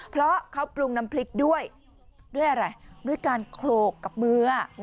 เพราะเขาปรุงน้ำพริกด้วยด้วยอะไรด้วยการโขลกกับมือ